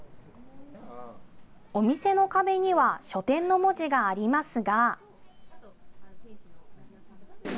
お店の壁には書店の文字がありますが。